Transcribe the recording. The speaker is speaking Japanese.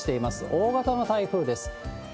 大型の台風です。